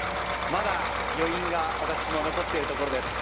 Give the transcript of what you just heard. まだ余韻が私も残っているところです。